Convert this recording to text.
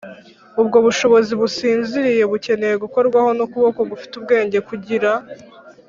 ubwo bushobozi businziriye bukeneye gukorwaho n’ukuboko gufite ubwenge kugira